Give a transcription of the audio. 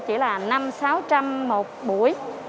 chỉ là năm sáu trăm linh một buổi